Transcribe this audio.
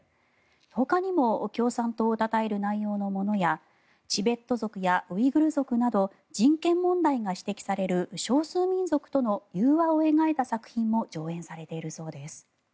ほかにも共産党をたたえる内容のものやチベット族やウイグル族など人権問題が指摘される少数民族との融和を描いた作品も上演されているようです。